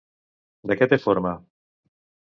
De què té forma?